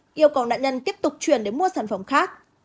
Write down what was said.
yêu cầu nạn nhân tiếp tục chuyển để mua sản phẩm khác